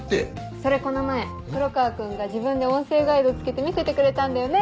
それこの前黒川君が自分で音声ガイド付けて見せてくれたんだよね。